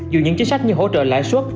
dù những chính sách như hỗ trợ lãi suất